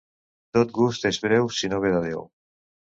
Tot gust és breu si no ve de Déu.